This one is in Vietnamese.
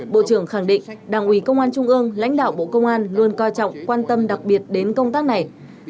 bộ trưởng khẳng định đảng ủy công an trung ương lãnh đạo bộ công an luôn coi trọng quan tâm đặc biệt đến công tác này